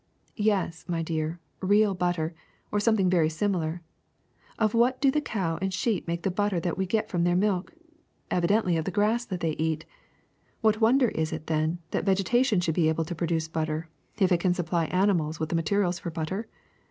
Yes, my dear, real butter, or something very similar. Of what do the cow and the sheep make the butter that we get from their milk! Evidently of the grass that they eat. What wonder is it, then, that vegetation should be able to produce butter if it can supply animals with the materials for butter?